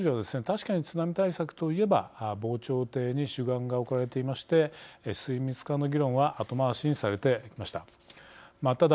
確かに津波対策と言えば防潮堤に主眼が置かれていまして水密化の議論は後回しにされてきました。